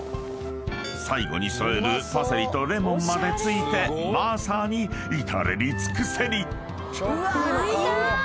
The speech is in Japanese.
［最後に添えるパセリとレモンまで付いてまさに至れり尽くせり］